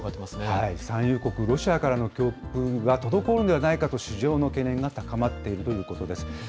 産油国ロシアからの供給が滞るのではないかと市場の懸念が高まっているということです。